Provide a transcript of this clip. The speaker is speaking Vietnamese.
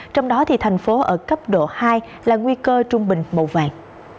trong đó thành phố ở cấp độ hai là nguy cơ trung bình màu vàng